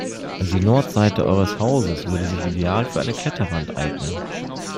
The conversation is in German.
Die Nordseite eures Hauses würde sich ideal für eine Kletterwand eignen.